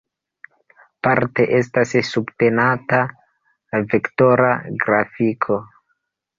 Parte estas subtenata vektora grafiko.